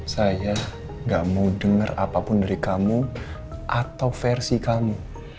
saya gak mau dengar apapun dari kamu atau versi kamu